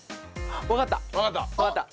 わかった！